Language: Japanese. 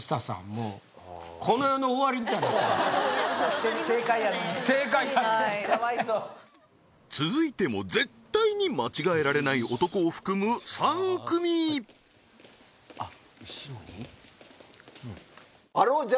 もう正解やのに正解やのにかわいそう続いても絶対に間違えられない男を含む３組あっ一緒に？